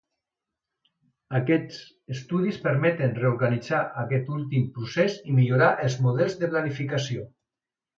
Aquests estudis permeten reorganitzar aquest últim procés i millorar els models de planificació.